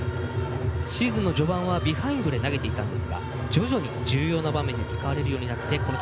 シーズン序盤はビハインドで投げていたんですが徐々に重要な場面で使われるようやっていきました。